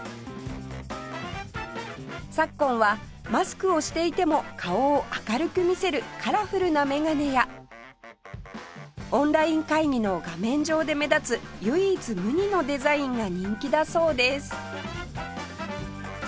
昨今はマスクをしていても顔を明るく見せるカラフルなメガネやオンライン会議の画面上で目立つ唯一無二のデザインが人気だそうです